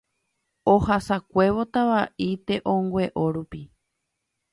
ohasakuévo Tava'i te'õngueo rupi